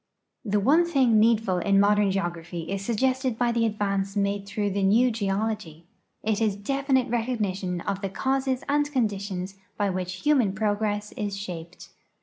The one thing needful in modern geograph}'' is suggested by the advance made through the new geology ; it is definite recognition of the causes and conditions by which human progress is shaped.